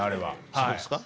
そうですか？